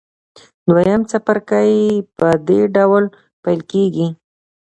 دویم څپرکی په دې ډول پیل کیږي.